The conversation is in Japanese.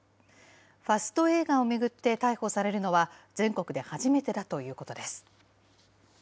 ファスト映画を巡って逮捕されるのは全国で初めてだということです。